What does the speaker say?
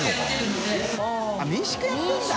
△民宿やってるんだ。